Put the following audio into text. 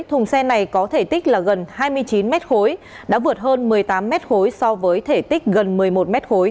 thùng xe này có thể tích là gần hai mươi chín mét khối đã vượt hơn một mươi tám mét khối so với thể tích gần một mươi một m khối